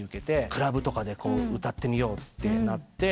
クラブとかで歌ってみようってなって。